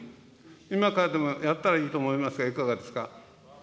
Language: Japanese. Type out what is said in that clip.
今からでもやったらいいと思いますがいかがですが。